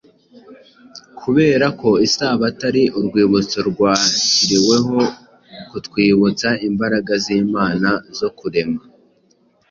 Kubera ko Isabato ari urwibutso rwashyiriweho kutwibutsa imbaraga z’Imana zo kurema,